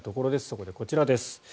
そこでこちらです。